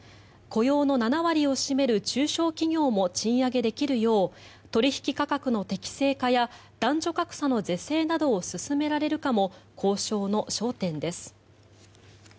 雇用の７割を占める中小企業も賃上げできるよう取引価格の適正化や男女格差の是正なども進められるかも交渉の焦点です。